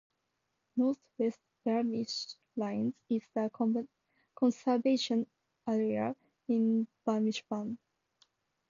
North West Beamish lies in the conservation area of Beamish Burn.